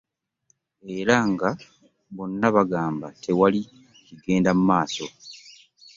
Era nga bonna bagamba nga tewali kigenda mu maaso